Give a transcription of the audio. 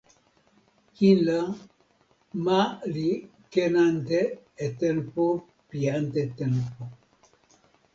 kin la, ma li ken ante e tenpo pi ante tenpo.